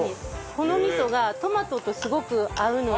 この味噌がトマトとすごく合うので。